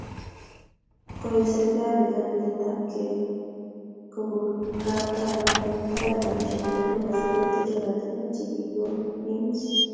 Koyai serikali kegiletabgeio kobunkatapanetab chepkondook asi keteech oratinweek chekikong'emokis